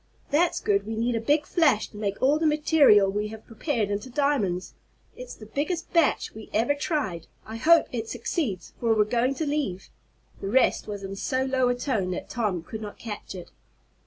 "That's good. We need a big flash to make all the material we have prepared into diamonds. It's the biggest batch we ever tried. I hope it succeeds, for we're going to leave " The rest was in so low a tone that Tom could not catch it.